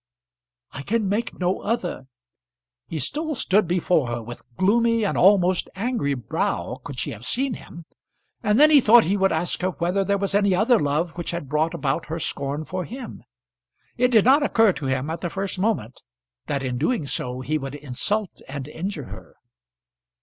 "I can make no other." He still stood before her, with gloomy and almost angry brow, could she have seen him; and then he thought he would ask her whether there was any other love which had brought about her scorn for him. It did not occur to him, at the first moment, that in doing so he would insult and injure her.